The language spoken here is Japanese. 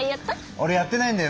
オレやってないんだよ。